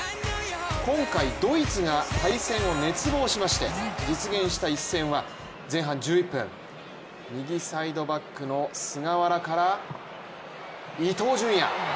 今回、ドイツが対戦を熱望しまして実現した一戦は前半１１分、右サイドバックの菅原から伊東純也。